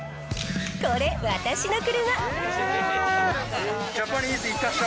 これ、私の車。